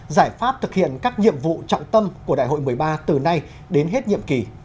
giải pháp thực hiện các nhiệm vụ trọng tâm của đại hội một mươi ba từ nay đến hết nhiệm kỳ